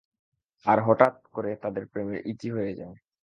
আর হঠাৎ করে তাদের প্রেমের ইতি হয়ে যায়।